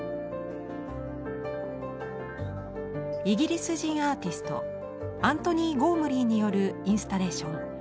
イギリス人アーティストアントニーゴームリーによるインスタレーション